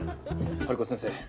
ハルコ先生